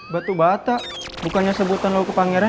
batu bata bukannya sebutan lo ke pangeran ya